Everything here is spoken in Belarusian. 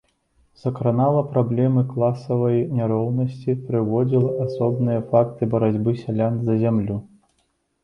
Закранала праблемы класавай няроўнасці, прыводзіла асобныя факты барацьбы сялян за зямлю.